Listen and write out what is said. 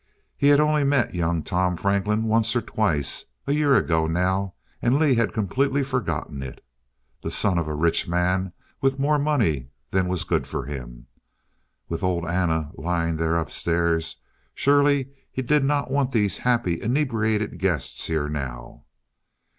He had only met young Tom Franklin once or twice, a year ago now, and Lee had completely forgotten it. The son of a rich man, with more money than was good for him.... With old Anna lying there upstairs surely he did not want these happy inebriated guests here now....